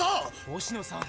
星野さん。